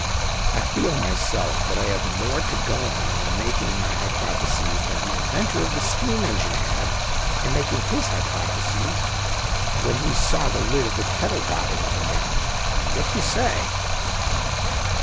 I feel myself that I have more to go on in making my hypothesis than the inventor of the steam engine had in making his hypothesis when he saw the lid of the kettle bobbing up and down. What do you say?"